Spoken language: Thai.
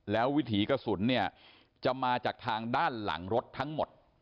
แล้ววิถีกระสุนเนี่ยจะมาจากทางด้านหลังรถทั้งหมด